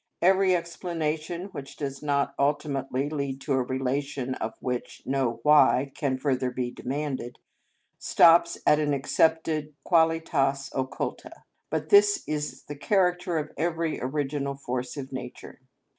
Every explanation which does not ultimately lead to a relation of which no "why" can further be demanded, stops at an accepted qualitas occulta; but this is the character of every original force of nature.